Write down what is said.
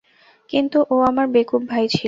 কিন্তু ও আমার বেকুব ভাই ছিল।